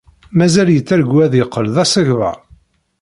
Mazal yettargu ad yeqqel d asegbar?